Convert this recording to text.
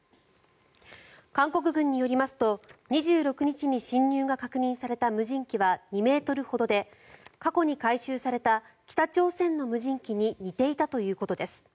韓国軍によりますと２６日に侵入が確認された無人機は２ｍほどで過去に回収された北朝鮮の無人機に似ていたということです。